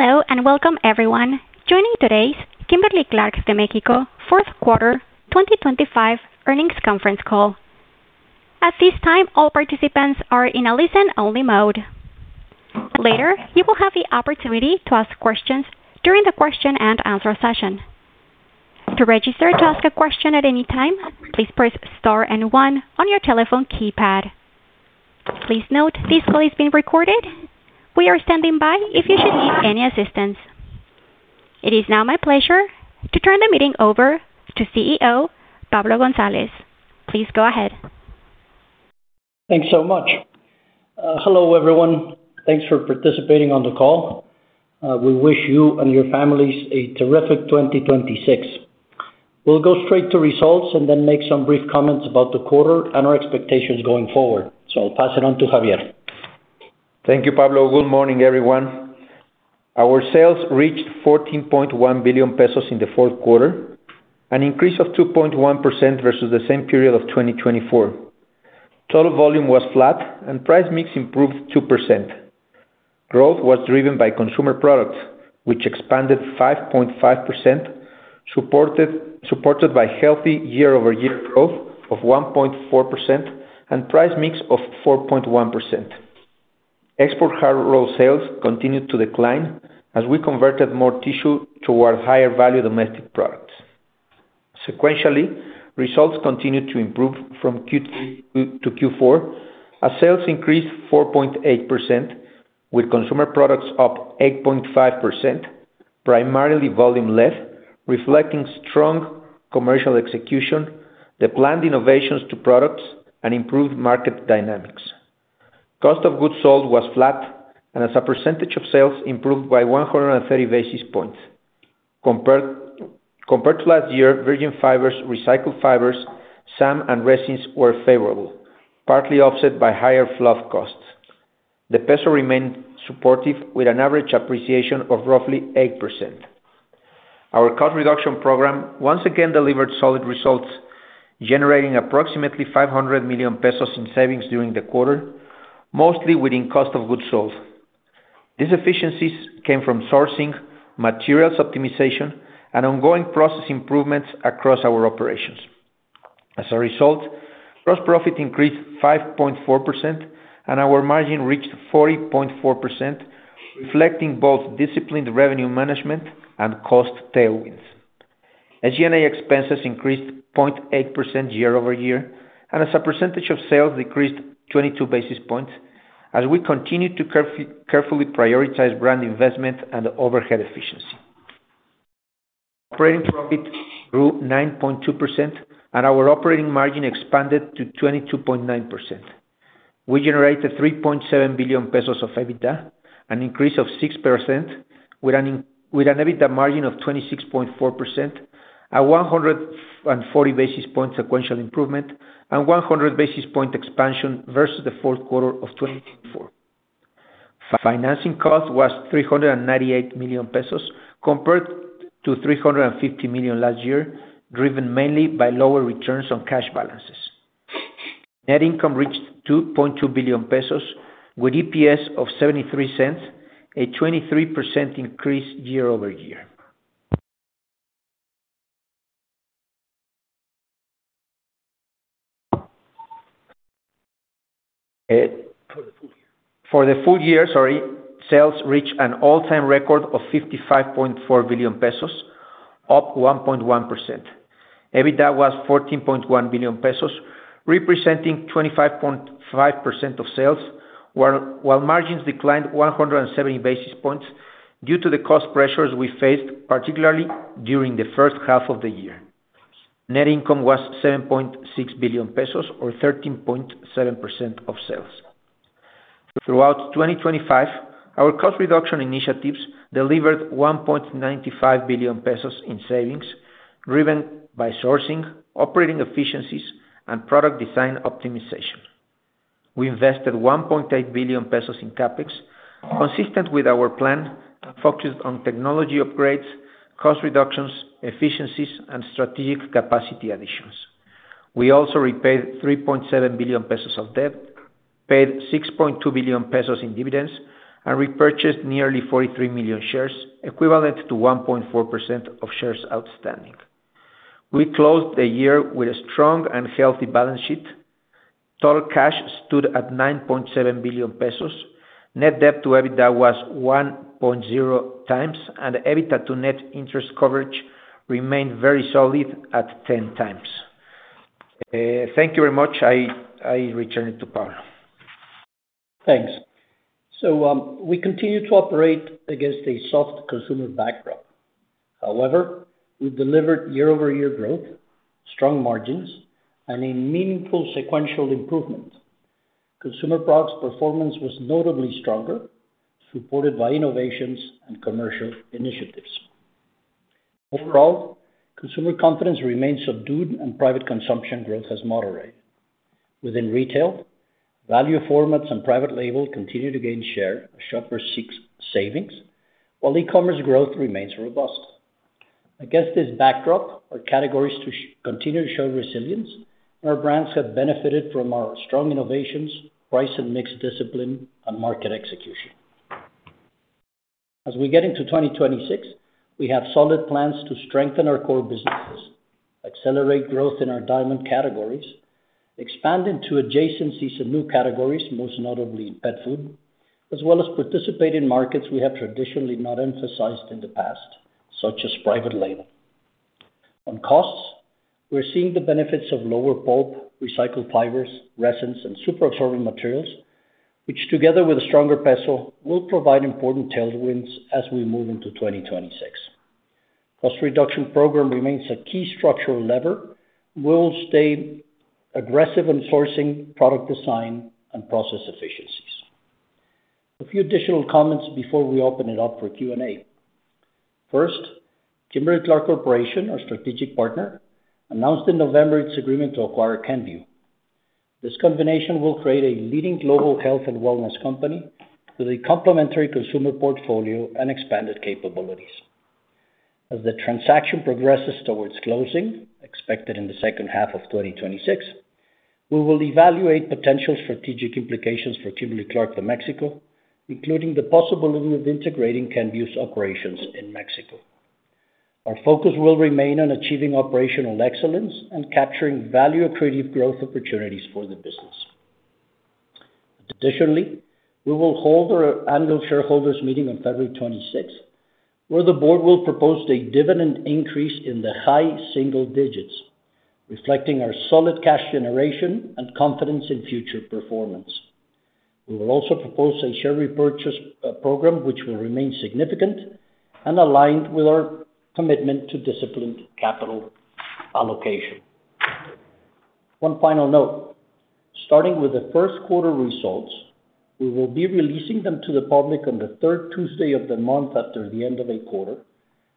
Hello and welcome, everyone. Joining today is Kimberly-Clark de México Fourth Quarter 2025 earnings conference call. At this time, all participants are in a listen-only mode. Later, you will have the opportunity to ask questions during the question-and-answer session. To register to ask a question at any time, please press star and one on your telephone keypad. Please note this call is being recorded. We are standing by if you should need any assistance. It is now my pleasure to turn the meeting over to CEO Pablo González. Please go ahead. Thanks so much. Hello, everyone. Thanks for participating on the call. We wish you and your families a terrific 2026. We'll go straight to results and then make some brief comments about the quarter and our expectations going forward. I'll pass it on to Xavier. Thank you, Pablo. Good morning, everyone. Our sales reached 14.1 billion pesos in the fourth quarter, an increase of 2.1% versus the same period of 2024. Total volume was flat, and price mix improved 2%. Growth was driven by consumer products, which expanded 5.5%, supported by healthy year-over-year growth of 1.4% and price mix of 4.1%. Export high-roll sales continued to decline as we converted more tissue toward higher-value domestic products. Sequentially, results continued to improve from Q3 to Q4 as sales increased 4.8%, with consumer products up 8.5%, primarily volume-led, reflecting strong commercial execution, the planned innovations to products, and improved market dynamics. Cost of goods sold was flat, and as a percentage of sales improved by 130 basis points. Compared to last year, virgin fibers, recycled fibers, SAM, and resins were favorable, partly offset by higher flood costs. The peso remained supportive, with an average appreciation of roughly 8%. Our cost reduction program once again delivered solid results, generating approximately 500 million pesos in savings during the quarter, mostly within cost of goods sold. These efficiencies came from sourcing, materials optimization, and ongoing process improvements across our operations. As a result, gross profit increased 5.4%, and our margin reached 40.4%, reflecting both disciplined revenue management and cost tailwinds. SG&A expenses increased 0.8% year-over-year, and as a percentage of sales decreased 22 basis points as we continued to carefully prioritize brand investment and overhead efficiency. Operating profit grew 9.2%, and our operating margin expanded to 22.9%. We generated 3.7 billion pesos of EBITDA, an increase of 6%, with an EBITDA margin of 26.4%, a 140 basis point sequential improvement, and 100 basis point expansion versus the fourth quarter of 2024. Financing cost was 398 million pesos compared to 350 million last year, driven mainly by lower returns on cash balances. Net income reached 2.2 billion pesos, with EPS of 0.73, a 23% increase year-over-year. For the full year, sales reached an all-time record of 55.4 billion pesos, up 1.1%. EBITDA was 14.1 billion pesos, representing 25.5% of sales, while margins declined 170 basis points due to the cost pressures we faced, particularly during the first half of the year. Net income was 7.6 billion pesos, or 13.7% of sales. Throughout 2025, our cost reduction initiatives delivered 1.95 billion pesos in savings, driven by sourcing, operating efficiencies, and product design optimization. We invested 1.8 billion pesos in CapEx, consistent with our plan, focused on technology upgrades, cost reductions, efficiencies, and strategic capacity additions. We also repaid 3.7 billion pesos of debt, paid 6.2 billion pesos in dividends, and repurchased nearly 43 million shares, equivalent to 1.4% of shares outstanding. We closed the year with a strong and healthy balance sheet. Total cash stood at 9.7 billion pesos. Net debt to EBITDA was 1.0 times, and EBITDA to net interest coverage remained very solid at 10 times. Thank you very much. I return it to Pablo. Thanks. So we continue to operate against a soft consumer backdrop. However, we delivered year-over-year growth, strong margins, and a meaningful sequential improvement. Consumer products' performance was notably stronger, supported by innovations and commercial initiatives. Overall, consumer confidence remains subdued, and private consumption growth has moderated. Within retail, value formats and private label continue to gain share, in search of savings, while e-commerce growth remains robust. Against this backdrop, our categories continue to show resilience, and our brands have benefited from our strong innovations, price and mix discipline, and market execution. As we get into 2026, we have solid plans to strengthen our core businesses, accelerate growth in our diamond categories, expand into adjacent seasonal categories, most notably in pet food, as well as participate in markets we have traditionally not emphasized in the past, such as private label. On costs, we're seeing the benefits of lower bulk, recycled fibers, resins, and superabsorbent materials, which, together with a stronger peso, will provide important tailwinds as we move into 2026. Cost reduction program remains a key structural lever. We'll stay aggressive in sourcing, product design, and process efficiencies. A few additional comments before we open it up for Q&A. First, Kimberly-Clark Corporation, our strategic partner, announced in November its agreement to acquire Kenvue. This combination will create a leading global health and wellness company with a complementary consumer portfolio and expanded capabilities. As the transaction progresses towards closing, expected in the second half of 2026, we will evaluate potential strategic implications for Kimberly-Clark de México, including the possibility of integrating Kenvue's operations in Mexico. Our focus will remain on achieving operational excellence and capturing value-accretive growth opportunities for the business. Additionally, we will hold our annual shareholders' meeting on February 26th, where the board will propose a dividend increase in the high single digits, reflecting our solid cash generation and confidence in future performance. We will also propose a share repurchase program, which will remain significant and aligned with our commitment to disciplined capital allocation. One final note. Starting with the first quarter results, we will be releasing them to the public on the third Tuesday of the month after the end of a quarter,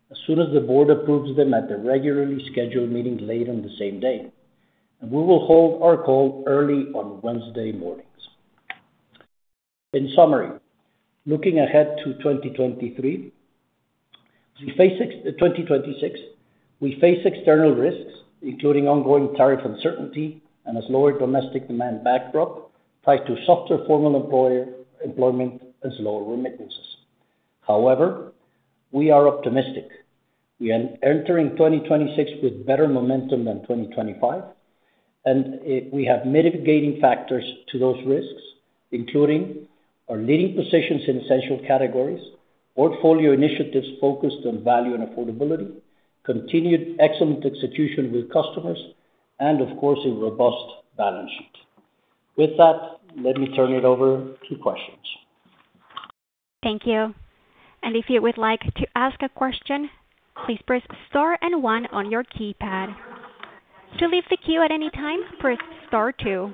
as soon as the board approves them at the regularly scheduled meeting late on the same day. We will hold our call early on Wednesday mornings. In summary, looking ahead to 2026, we face external risks, including ongoing tariff uncertainty and a slower domestic demand backdrop tied to softer formal employment and slower remittances. However, we are optimistic. We are entering 2026 with better momentum than 2025, and we have mitigating factors to those risks, including our leading positions in essential categories, portfolio initiatives focused on value and affordability, continued excellent execution with customers, and, of course, a robust balance sheet. With that, let me turn it over to questions. Thank you. And if you would like to ask a question, please press star and one on your keypad. To leave the queue at any time, press star two.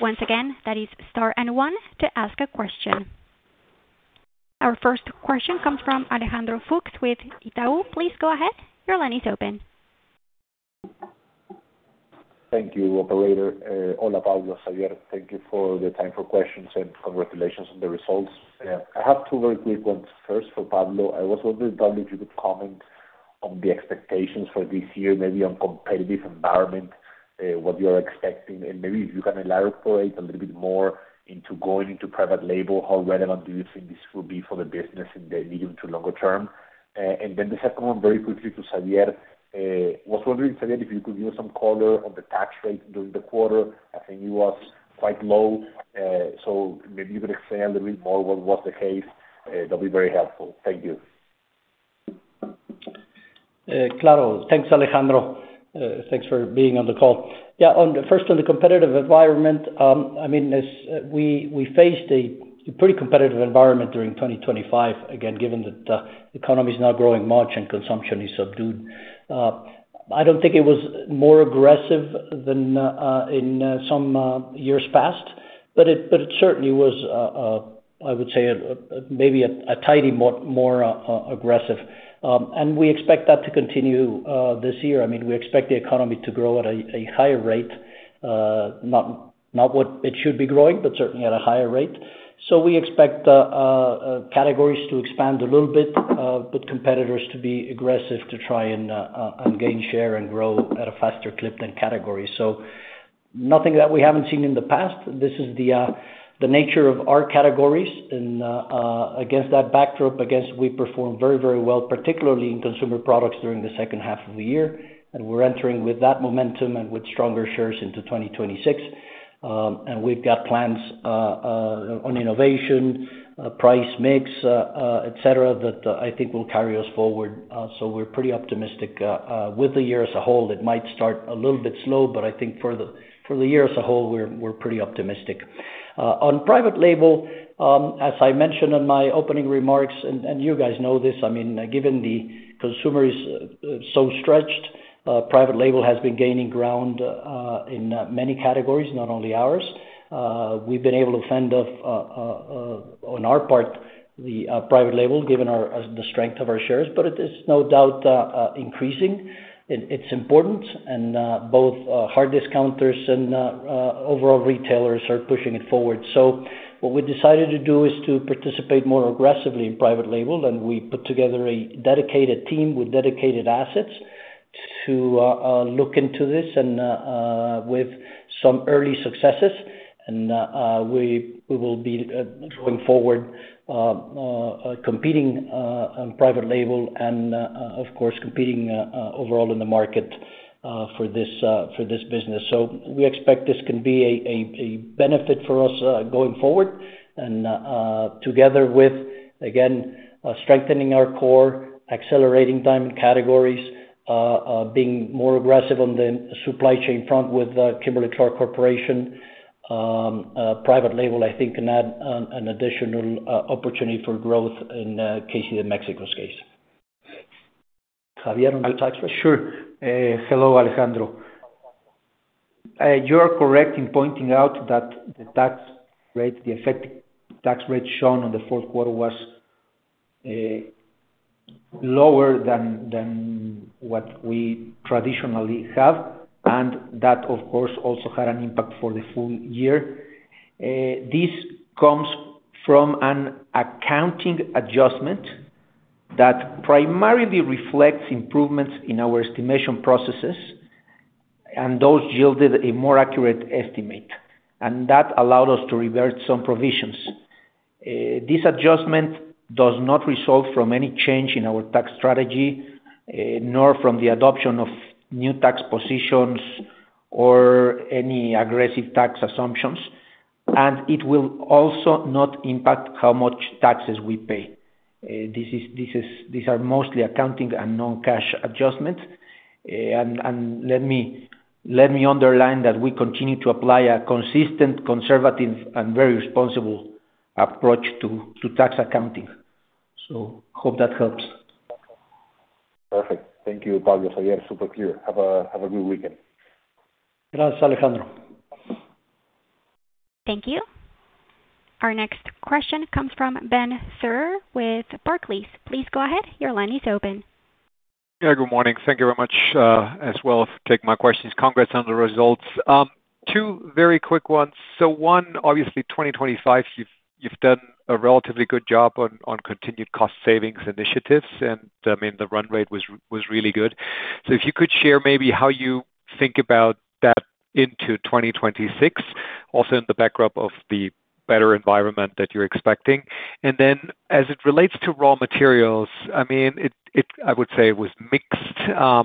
Once again, that is star and one to ask a question. Our first question comes from Alejandro Fuchs with Itaú. Please go ahead. Your line is open. Thank you, Operator. Hola Pablo, Xavier. Thank you for the time for questions and congratulations on the results. I have two very quick ones first for Pablo. I was wondering if you could comment on the expectations for this year, maybe on competitive environment, what you're expecting, and maybe if you can elaborate a little bit more into going into private label, how relevant do you think this will be for the business in the medium to longer term. And then the second one, very quickly to Xavier. I was wondering, Xavier, if you could give us some color on the tax rate during the quarter. I think it was quite low. So maybe you could explain a little bit more what was the case. That would be very helpful. Thank you. Claro, thanks, Alejandro. Thanks for being on the call. Yeah, first, on the competitive environment, I mean, we faced a pretty competitive environment during 2025, again, given that the economy is not growing much and consumption is subdued. I don't think it was more aggressive than in some years past, but it certainly was, I would say, maybe a tiny bit more aggressive. And we expect that to continue this year. I mean, we expect the economy to grow at a higher rate, not what it should be growing, but certainly at a higher rate. So we expect categories to expand a little bit, but competitors to be aggressive to try and gain share and grow at a faster clip than categories. So nothing that we haven't seen in the past. This is the nature of our categories. And against that backdrop, we perform very, very well, particularly in consumer products during the second half of the year. And we're entering with that momentum and with stronger shares into 2026. And we've got plans on innovation, Price mix, etc., that I think will carry us forward. So we're pretty optimistic with the year as a whole. It might start a little bit slow, but I think for the year as a whole, we're pretty optimistic. On Private label, as I mentioned in my opening remarks, and you guys know this, I mean, given the consumer is so stretched, Private label has been gaining ground in many categories, not only ours. We've been able to fend off, on our part, the Private label, given the strength of our shares, but it is no doubt increasing. It's important, and both hard discounters and overall retailers are pushing it forward. So what we decided to do is to participate more aggressively in private label, and we put together a dedicated team with dedicated assets to look into this and with some early successes. And we will be going forward competing on private label and, of course, competing overall in the market for this business. So we expect this can be a benefit for us going forward. And together with, again, strengthening our core, accelerating diamond categories, being more aggressive on the supply chain front with Kimberly-Clark Corporation, private label, I think, can add an additional opportunity for growth in the case of Mexico's case. Xavier, on the tax rate? Sure. Hello, Alejandro. You are correct in pointing out that the tax rate, the effective tax rate shown on the fourth quarter was lower than what we traditionally have, and that, of course, also had an impact for the full year. This comes from an accounting adjustment that primarily reflects improvements in our estimation processes, and those yielded a more accurate estimate. That allowed us to revert some provisions. This adjustment does not result from any change in our tax strategy, nor from the adoption of new tax positions or any aggressive tax assumptions. It will also not impact how much taxes we pay. These are mostly accounting and non-cash adjustments. Let me underline that we continue to apply a consistent, conservative, and very responsible approach to tax accounting. I hope that helps. Perfect. Thank you, Pablo, Xavier. Super clear. Have a good weekend. Gracias, Alejandro. Thank you. Our next question comes from Ben Theurer with Barclays. Please go ahead. Your line is open. Yeah, good morning. Thank you very much as well for taking my questions. Congrats on the results. Two very quick ones. So one, obviously, 2025, you've done a relatively good job on continued cost savings initiatives, and I mean, the run rate was really good. So if you could share maybe how you think about that into 2026, also in the backdrop of the better environment that you're expecting. And then as it relates to raw materials, I mean, I would say it was mixed,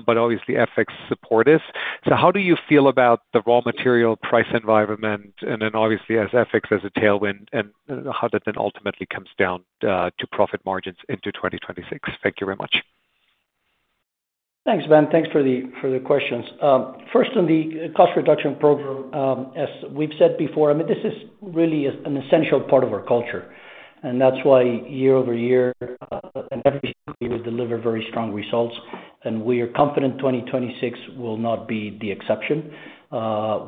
but obviously FX supported. So how do you feel about the raw material price environment, and then obviously as FX as a tailwind, and how that then ultimately comes down to profit margins into 2026? Thank you very much. Thanks, Ben. Thanks for the questions. First, on the cost reduction program, as we've said before, I mean, this is really an essential part of our culture. And that's why year-over-year, and every single year we deliver very strong results. And we are confident 2026 will not be the exception.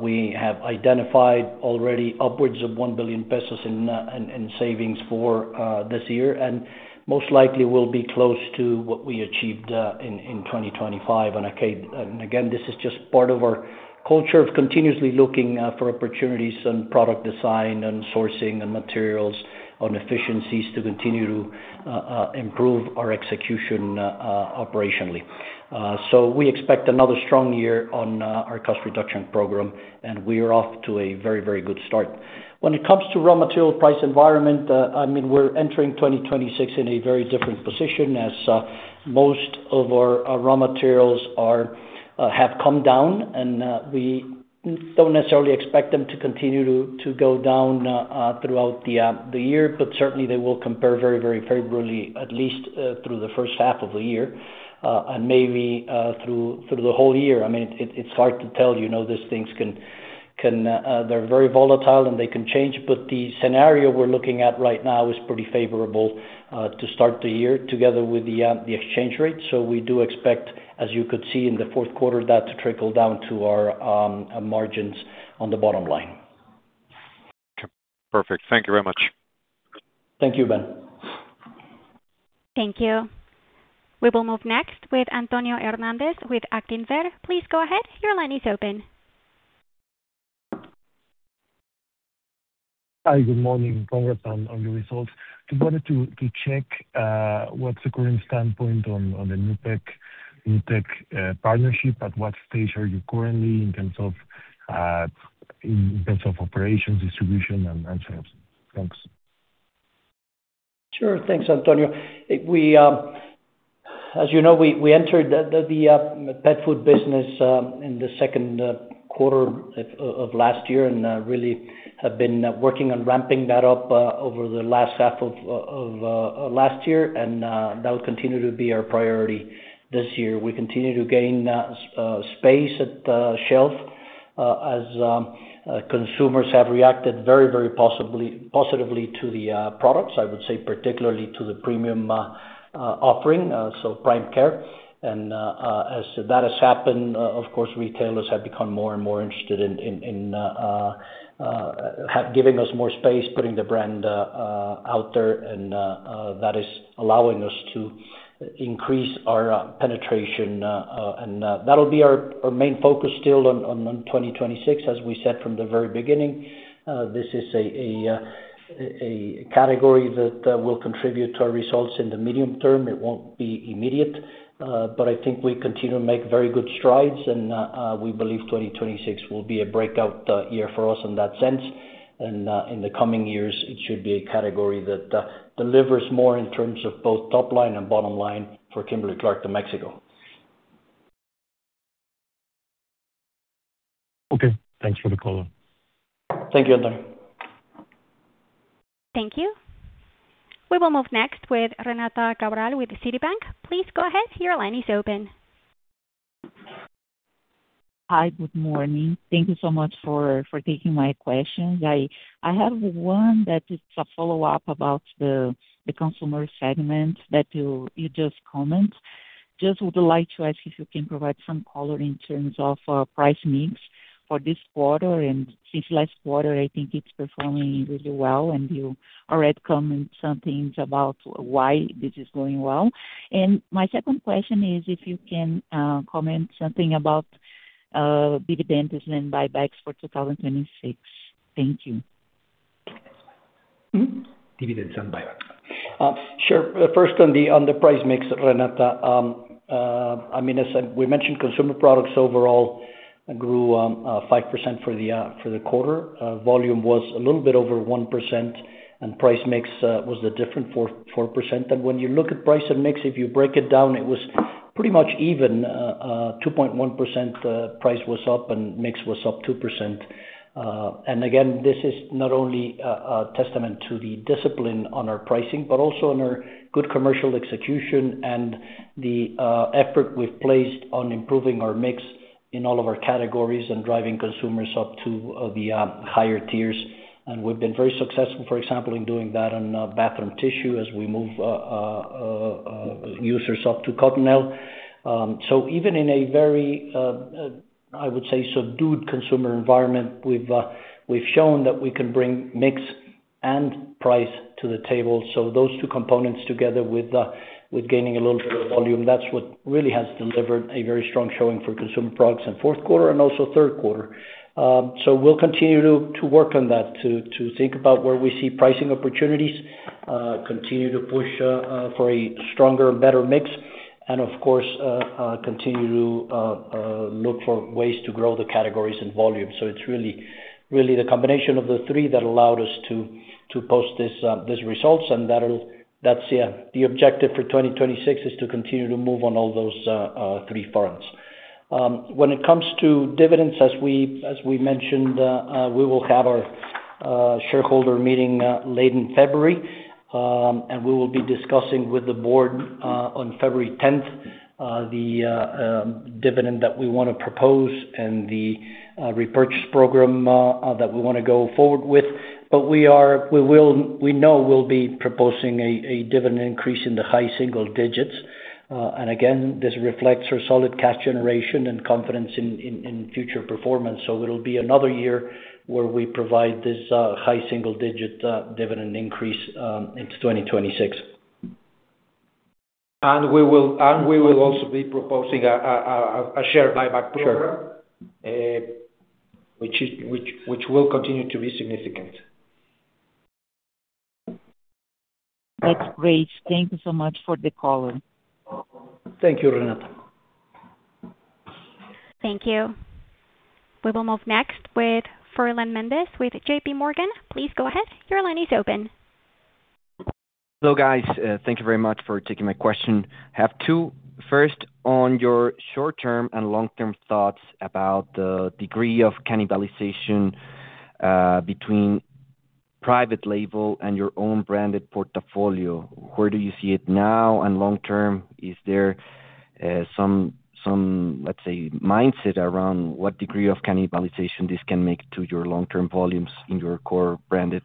We have identified already upwards of 1 billion pesos in savings for this year, and most likely we'll be close to what we achieved in 2025. And again, this is just part of our culture of continuously looking for opportunities on product design and sourcing and materials on efficiencies to continue to improve our execution operationally. So we expect another strong year on our cost reduction program, and we are off to a very, very good start. When it comes to raw material price environment, I mean, we're entering 2026 in a very different position as most of our raw materials have come down, and we don't necessarily expect them to continue to go down throughout the year, but certainly they will compare very, very favorably, at least through the first half of the year, and maybe through the whole year. I mean, it's hard to tell. You know, these things can, they're very volatile and they can change, but the scenario we're looking at right now is pretty favorable to start the year together with the exchange rate. So we do expect, as you could see in the fourth quarter, that to trickle down to our margins on the bottom line. Perfect. Thank you very much. Thank you, Ben. Thank you. We will move next with Antonio Hernández with Actinver. Please go ahead. Your line is open. Hi, good morning. Congrats on the results. Just wanted to check what's the current standpoint on the NUPEC partnership. At what stage are you currently in terms of operations, distribution, and sales? Thanks. Sure. Thanks, Antonio. As you know, we entered the pet food business in the second quarter of last year and really have been working on ramping that up over the last half of last year, and that will continue to be our priority this year. We continue to gain space at the shelf as consumers have reacted very, very positively to the products, I would say, particularly to the premium offering, so Prime Care. And as that has happened, of course, retailers have become more and more interested in giving us more space, putting the brand out there, and that is allowing us to increase our penetration. And that will be our main focus still on 2026, as we said from the very beginning. This is a category that will contribute to our results in the medium term. It won't be immediate, but I think we continue to make very good strides, and we believe 2026 will be a breakout year for us in that sense. And in the coming years, it should be a category that delivers more in terms of both top line and bottom line for Kimberly-Clark de México. Okay. Thanks for the call. Thank you, Antonio. Thank you. We will move next with Renata Cabral with Citibank. Please go ahead. Your line is open. Hi, good morning. Thank you so much for taking my questions. I have one that is a follow-up about the consumer segment that you just commented. Just would like to ask if you can provide some color in terms of price mix for this quarter. And since last quarter, I think it's performing really well, and you already commented something about why this is going well. My second question is if you can comment something about dividend and buybacks for 2026. Thank you. Dividends and buybacks. Sure. First, on the price mix, Renata, I mean, as we mentioned, consumer products overall grew 5% for the quarter. Volume was a little bit over 1%, and price mix was a different 4%. And when you look at price and mix, if you break it down, it was pretty much even. 2.1% price was up, and mix was up 2%. And again, this is not only a testament to the discipline on our pricing, but also on our good commercial execution and the effort we've placed on improving our mix in all of our categories and driving consumers up to the higher tiers. And we've been very successful, for example, in doing that on bathroom tissue as we move users up to Cottonelle. So even in a very, I would say, subdued consumer environment, we've shown that we can bring mix and price to the table. So those two components together with gaining a little bit of volume, that's what really has delivered a very strong showing for consumer products in fourth quarter and also third quarter. So we'll continue to work on that, to think about where we see pricing opportunities, continue to push for a stronger and better mix, and of course, continue to look for ways to grow the categories and volume. So it's really the combination of the three that allowed us to post these results, and that's the objective for 2026 is to continue to move on all those three fronts. When it comes to dividends, as we mentioned, we will have our shareholder meeting late in February, and we will be discussing with the board on February 10th the dividend that we want to propose and the repurchase program that we want to go forward with. We know we'll be proposing a dividend increase in the high single digits. Again, this reflects our solid cash generation and confidence in future performance. It'll be another year where we provide this high single-digit dividend increase into 2026. We will also be proposing a share buyback program, which will continue to be significant. That's great. Thank you so much for the call. Thank you, Renata. Thank you. We will move next with Fernando Méndez with J.P. Morgan. Please go ahead. Your line is open. Hello, guys. Thank you very much for taking my question. I have two first. On your short-term and long-term thoughts about the degree of cannibalization between private label and your own branded portfolio, where do you see it now and long-term? Is there some, let's say, mindset around what degree of cannibalization this can make to your long-term volumes in your core branded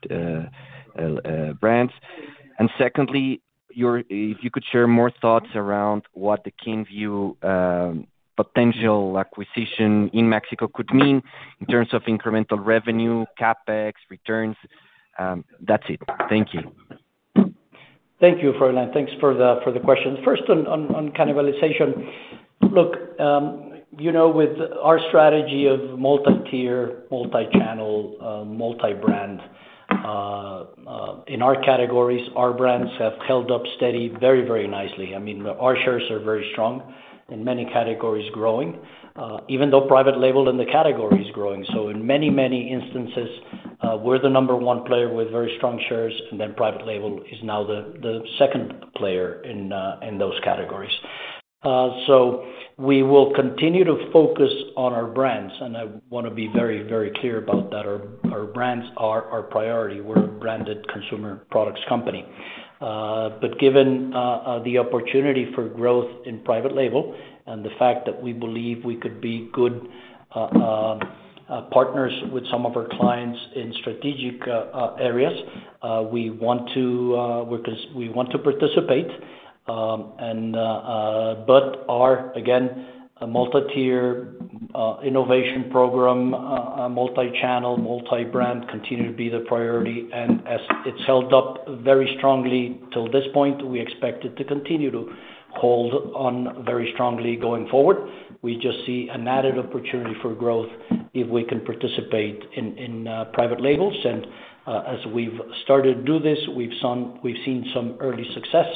brands? And secondly, if you could share more thoughts around what the Kimberly-Clark potential acquisition in Mexico could mean in terms of incremental revenue, CapEx, returns? That's it. Thank you. Thank you, Fernando. Thanks for the question. First, on cannibalization, look, with our strategy of multi-tier, multi-channel, multi-brand, in our categories, our brands have held up steady very, very nicely. I mean, our shares are very strong in many categories growing, even though private label in the category is growing. So in many, many instances, we're the number one player with very strong shares, and then private label is now the second player in those categories. So we will continue to focus on our brands, and I want to be very, very clear about that. Our brands are our priority. We're a branded consumer products company. But given the opportunity for growth in private label and the fact that we believe we could be good partners with some of our clients in strategic areas, we want to participate. But our, again, multi-tier innovation program, multi-channel, multi-brand continue to be the priority. And as it's held up very strongly till this point, we expect it to continue to hold on very strongly going forward. We just see an added opportunity for growth if we can participate in private labels. And as we've started to do this, we've seen some early success.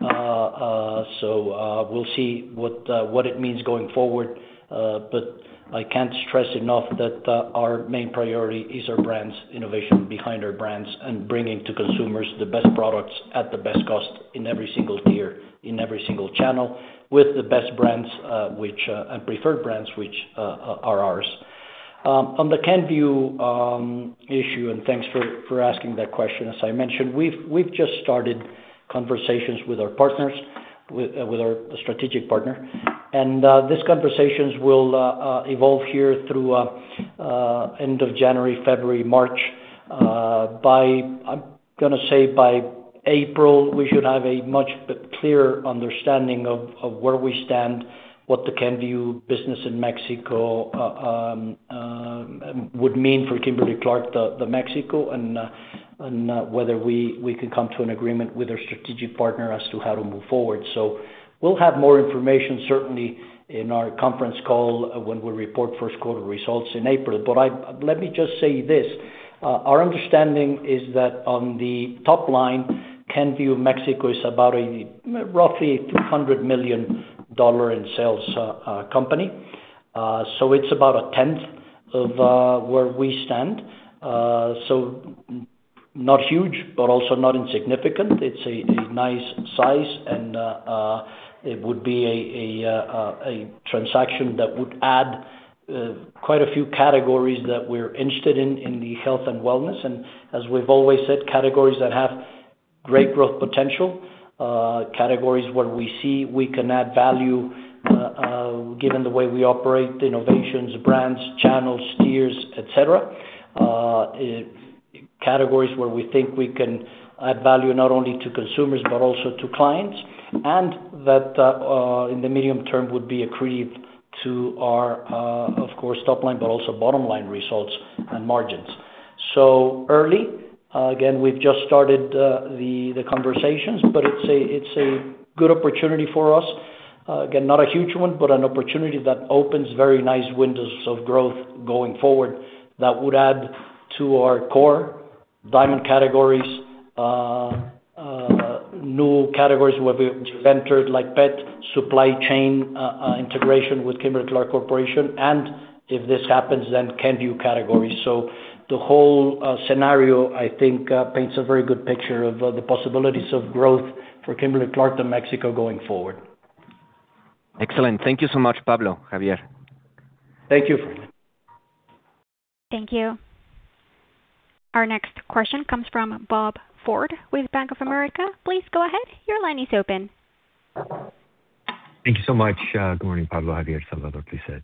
So we'll see what it means going forward. But I can't stress enough that our main priority is our brands, innovation behind our brands, and bringing to consumers the best products at the best cost in every single tier, in every single channel, with the best brands, which and preferred brands, which are ours. On the Kenvue issue, and thanks for asking that question. As I mentioned, we've just started conversations with our partners, with our strategic partner. These conversations will evolve here through the end of January, February, March. I'm going to say by April, we should have a much clearer understanding of where we stand, what the Kenvue business in Mexico would mean for Kimberly-Clark de México, and whether we can come to an agreement with our strategic partner as to how to move forward. So we'll have more information, certainly, in our conference call when we report first quarter results in April. But let me just say this. Our understanding is that on the top line, Kenvue Mexico is about roughly a $200 million in sales company. So it's about a tenth of where we stand. So not huge, but also not insignificant. It's a nice size, and it would be a transaction that would add quite a few categories that we're interested in in the health and wellness. As we've always said, categories that have great growth potential, categories where we see we can add value given the way we operate, innovations, brands, channels, tiers, etc. Categories where we think we can add value not only to consumers, but also to clients, and that in the medium term would be accretive to our, of course, top line, but also bottom line results and margins. So early, again, we've just started the conversations, but it's a good opportunity for us. Again, not a huge one, but an opportunity that opens very nice windows of growth going forward that would add to our core diamond categories, new categories where we've entered like pet supply chain integration with Kimberly-Clark Corporation, and if this happens, then Kenvue categories. So the whole scenario, I think, paints a very good picture of the possibilities of growth for Kimberly-Clark de México going forward. Excellent. Thank you so much, Pablo, Xavier. Thank you. Thank you. Our next question comes from Bob Ford with Bank of America. Please go ahead. Your line is open. Thank you so much. Good morning, Pablo, Xavier, Salvador, Christina,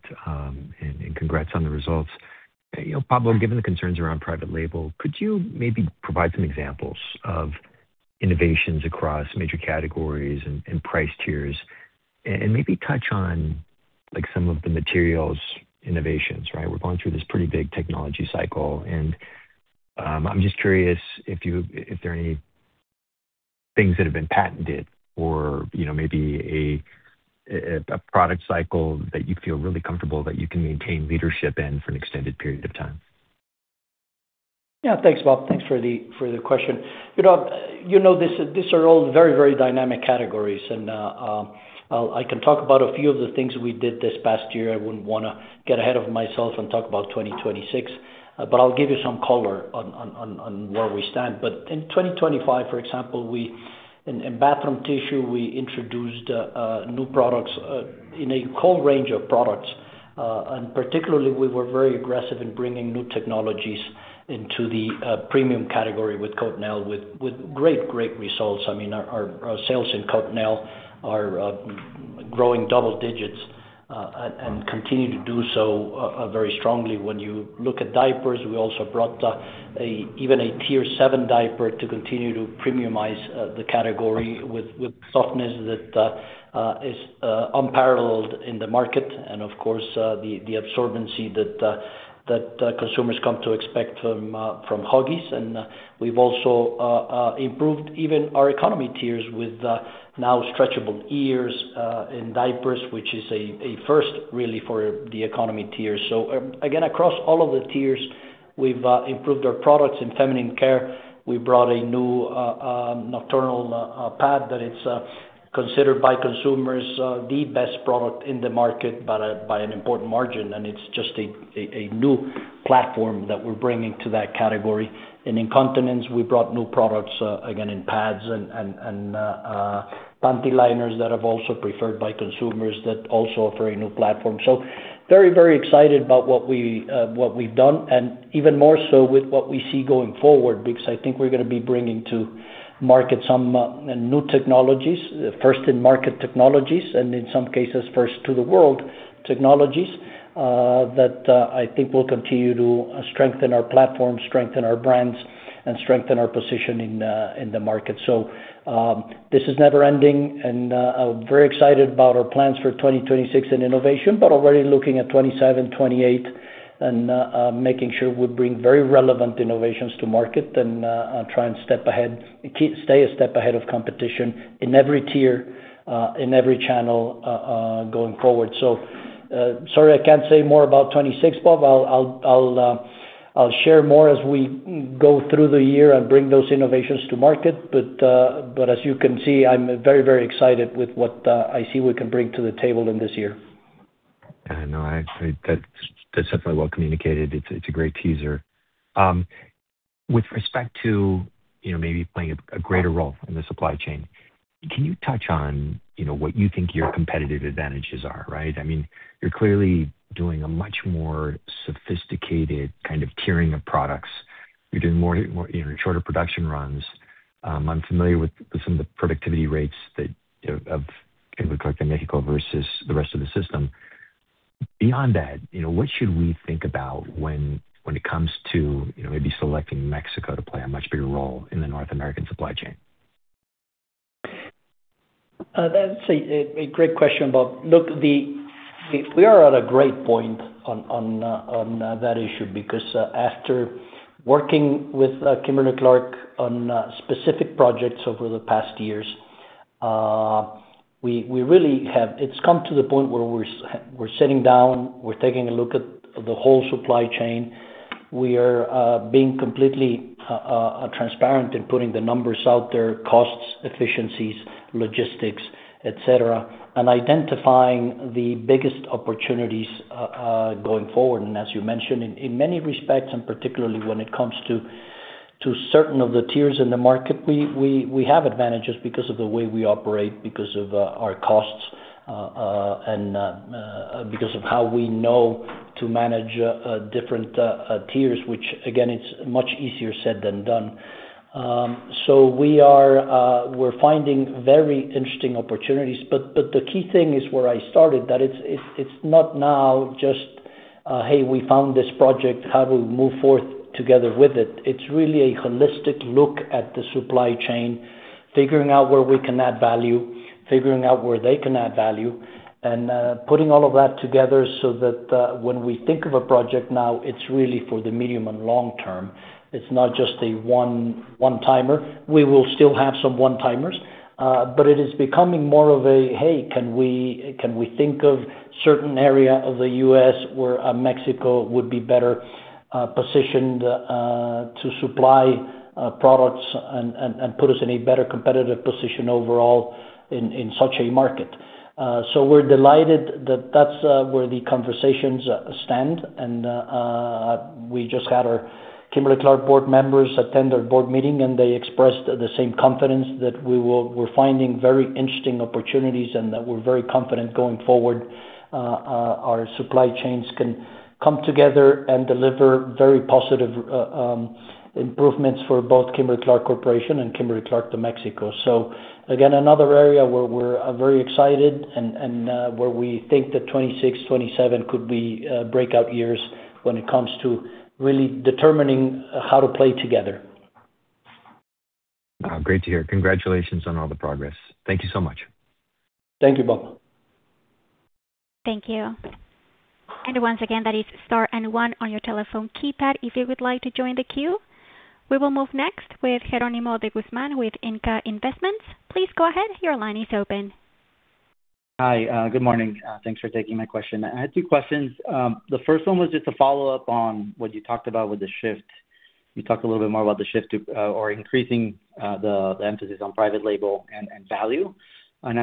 and congrats on the results. Pablo, given the concerns around private label, could you maybe provide some examples of innovations across major categories and price tiers and maybe touch on some of the materials innovations, right? We're going through this pretty big technology cycle, and I'm just curious if there are any things that have been patented or maybe a product cycle that you feel really comfortable that you can maintain leadership in for an extended period of time? Yeah. Thanks, Bob. Thanks for the question. You know these are all very, very dynamic categories, and I can talk about a few of the things we did this past year. I wouldn't want to get ahead of myself and talk about 2026, but I'll give you some color on where we stand. But in 2025, for example, in bathroom tissue, we introduced new products in a whole range of products. And particularly, we were very aggressive in bringing new technologies into the premium category with Cottonelle with great, great results. I mean, our sales in Cottonelle are growing double digits and continue to do so very strongly. When you look at diapers, we also brought even a Tier 7 diaper to continue to premiumize the category with softness that is unparalleled in the market. And of course, the absorbency that consumers come to expect from Huggies. And we've also improved even our economy tiers with now stretchable ears in diapers, which is a first really for the economy tiers. So again, across all of the tiers, we've improved our products in feminine care. We brought a new nocturnal pad that is considered by consumers the best product in the market by an important margin, and it's just a new platform that we're bringing to that category. And in incontinence, we brought new products, again, in pads and panty liners that are also preferred by consumers that also offer a new platform. So very, very excited about what we've done and even more so with what we see going forward because I think we're going to be bringing to market some new technologies, first in market technologies and in some cases first to the world technologies that I think will continue to strengthen our platform, strengthen our brands, and strengthen our position in the market. So this is never-ending, and I'm very excited about our plans for 2026 and innovation, but already looking at 2027, 2028, and making sure we bring very relevant innovations to market and try and stay a step ahead of competition in every tier, in every channel going forward. So sorry, I can't say more about 2026, Bob. I'll share more as we go through the year and bring those innovations to market. As you can see, I'm very, very excited with what I see we can bring to the table in this year. No, that's definitely well communicated. It's a great teaser. With respect to maybe playing a greater role in the supply chain, can you touch on what you think your competitive advantages are, right? I mean, you're clearly doing a much more sophisticated kind of tiering of products. You're doing shorter production runs. I'm familiar with some of the productivity rates of Kimberly-Clark de México versus the rest of the system. Beyond that, what should we think about when it comes to maybe selecting Mexico to play a much bigger role in the North American supply chain? That's a great question, Bob. Look, we are at a great point on that issue because after working with Kimberly-Clark on specific projects over the past years, we really have. It's come to the point where we're sitting down, we're taking a look at the whole supply chain. We are being completely transparent in putting the numbers out there, costs, efficiencies, logistics, etc., and identifying the biggest opportunities going forward. And as you mentioned, in many respects, and particularly when it comes to certain of the tiers in the market, we have advantages because of the way we operate, because of our costs, and because of how we know to manage different tiers, which, again, it's much easier said than done. So we're finding very interesting opportunities. But the key thing is where I started, that it's not now just, "Hey, we found this project. How do we move forward together with it?" It's really a holistic look at the supply chain, figuring out where we can add value, figuring out where they can add value, and putting all of that together so that when we think of a project now, it's really for the medium and long term. It's not just a one-timer. We will still have some one-timers, but it is becoming more of a, "Hey, can we think of a certain area of the U.S. where Mexico would be better positioned to supply products and put us in a better competitive position overall in such a market?" So we're delighted that that's where the conversations stand. We just had our Kimberly-Clark board members attend our board meeting, and they expressed the same confidence that we were finding very interesting opportunities and that we're very confident going forward our supply chains can come together and deliver very positive improvements for both Kimberly-Clark Corporation and Kimberly-Clark de México. So again, another area where we're very excited and where we think that 2026, 2027 could be breakout years when it comes to really determining how to play together. Great to hear. Congratulations on all the progress. Thank you so much. Thank you, Bob. Thank you. Once again, that is star and one on your telephone keypad if you would like to join the queue. We will move next with Jeronimo de Guzmán with Inca Investments. Please go ahead. Your line is open. Hi. Good morning. Thanks for taking my question. I had two questions. The first one was just to follow up on what you talked about with the shift. You talked a little bit more about the shift or increasing the emphasis on private label and value. And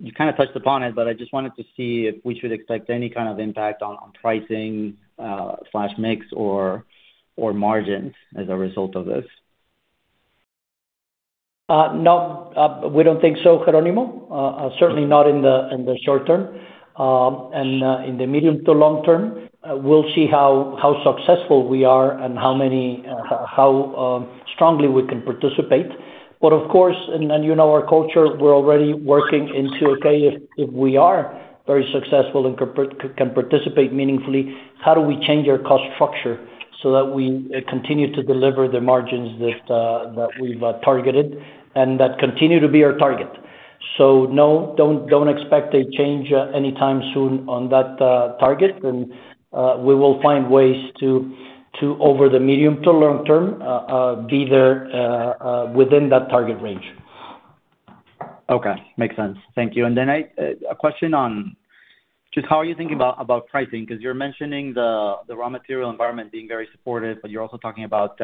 you kind of touched upon it, but I just wanted to see if we should expect any kind of impact on pricing/mix or margins as a result of this? No, we don't think so, Jeronimo. Certainly not in the short term. And in the medium to long term, we'll see how successful we are and how strongly we can participate. But of course, and you know our culture, we're already working into, "Okay, if we are very successful and can participate meaningfully, how do we change our cost structure so that we continue to deliver the margins that we've targeted and that continue to be our target?" So no, don't expect a change anytime soon on that target, and we will find ways to, over the medium to long term, be there within that target range. Okay. Makes sense. Thank you. And then a question on just how are you thinking about pricing? Because you're mentioning the raw material environment being very supportive, but you're also talking about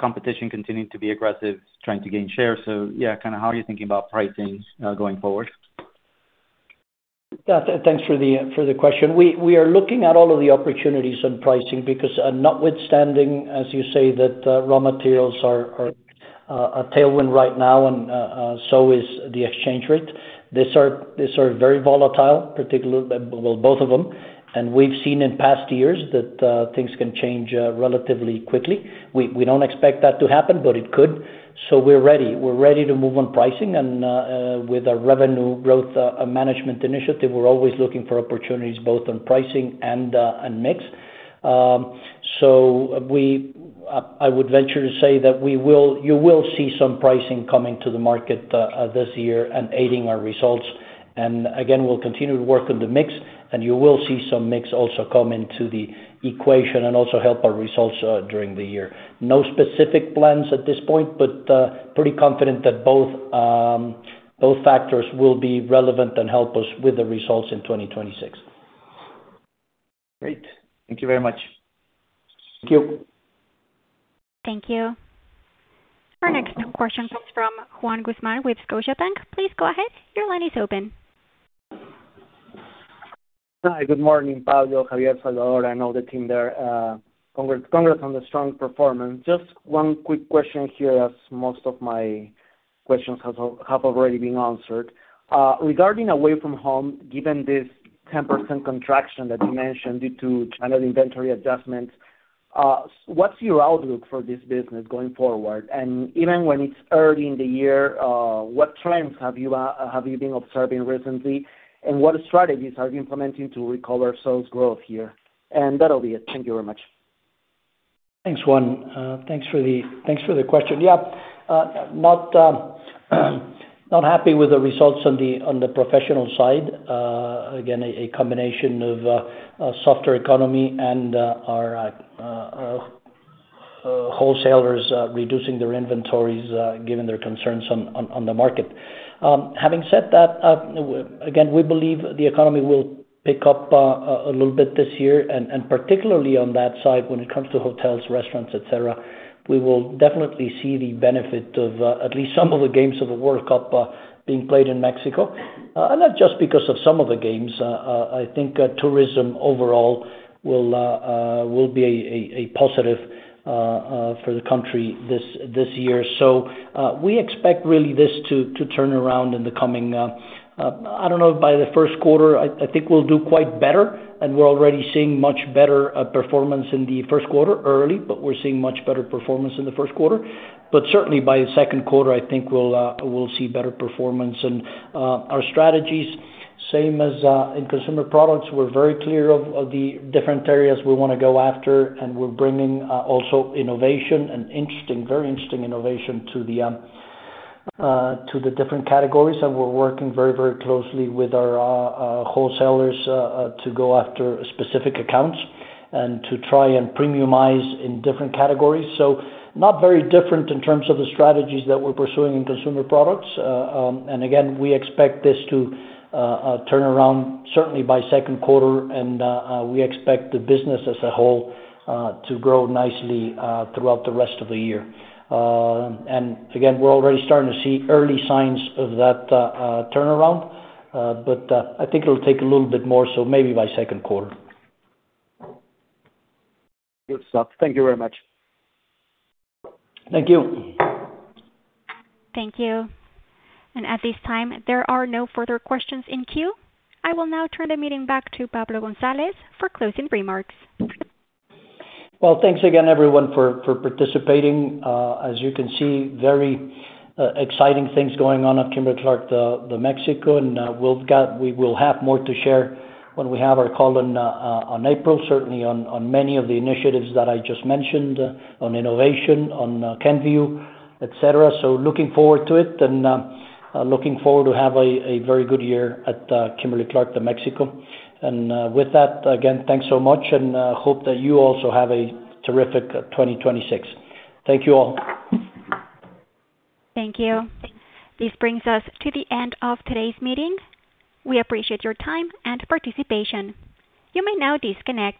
competition continuing to be aggressive, trying to gain shares. So yeah, kind of how are you thinking about pricing going forward? Thanks for the question. We are looking at all of the opportunities in pricing because notwithstanding, as you say, that raw materials are a tailwind right now, and so is the exchange rate. They are very volatile, particularly both of them. We've seen in past years that things can change relatively quickly. We don't expect that to happen, but it could. We're ready. We're ready to move on pricing. With our revenue growth management initiative, we're always looking for opportunities both on pricing and mix. I would venture to say that you will see some pricing coming to the market this year and aiding our results. Again, we'll continue to work on the mix, and you will see some mix also come into the equation and also help our results during the year.No specific plans at this point, but pretty confident that both factors will be relevant and help us with the results in 2026. Great. Thank you very much. Thank you. Thank you. Our next question comes from Juan Guzmán with Scotiabank. Please go ahead. Your line is open. Hi. Good morning, Pablo, Xavier, Salvador, and all the team there. Congrats on the strong performance. Just one quick question here, as most of my questions have already been answered. Regarding away from home, given this 10% contraction that you mentioned due to channel inventory adjustments, what's your outlook for this business going forward? And even when it's early in the year, what trends have you been observing recently, and what strategies are you implementing to recover sales growth here? That'll be it. Thank you very much. Thanks, Juan. Thanks for the question. Yeah. Not happy with the results on the professional side. Again, a combination of a softer economy and our wholesalers reducing their inventories given their concerns on the market. Having said that, again, we believe the economy will pick up a little bit this year, and particularly on that side when it comes to hotels, restaurants, etc. We will definitely see the benefit of at least some of the games of the World Cup being played in Mexico. And that's just because of some of the games. I think tourism overall will be a positive for the country this year. So we expect really this to turn around in the coming, I don't know, by the first quarter. I think we'll do quite better, and we're already seeing much better performance in the first quarter, early, but we're seeing much better performance in the first quarter. Certainly by the second quarter, I think we'll see better performance. Our strategies, same as in consumer products, we're very clear of the different areas we want to go after, and we're bringing also innovation and very interesting innovation to the different categories. We're working very, very closely with our wholesalers to go after specific accounts and to try and premiumize in different categories. Not very different in terms of the strategies that we're pursuing in consumer products. Again, we expect this to turn around certainly by second quarter, and we expect the business as a whole to grow nicely throughout the rest of the year. Again, we're already starting to see early signs of that turnaround, but I think it'll take a little bit more, so maybe by second quarter. Good stuff. Thank you very much. Thank you. Thank you. At this time, there are no further questions in queue. I will now turn the meeting back to Pablo González for closing remarks. Well, thanks again, everyone, for participating. As you can see, very exciting things going on at Kimberly-Clark de México, and we will have more to share when we have our call on April, certainly on many of the initiatives that I just mentioned, on innovation, on Kenvue, etc. So looking forward to it and looking forward to have a very good year at Kimberly-Clark de México. And with that, again, thanks so much, and hope that you also have a terrific 2026. Thank you all. Thank you. This brings us to the end of today's meeting. We appreciate your time and participation. You may now disconnect.